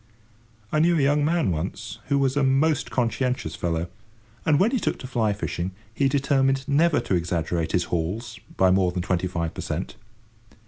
I knew a young man once, he was a most conscientious fellow, and, when he took to fly fishing, he determined never to exaggerate his hauls by more than twenty five per cent.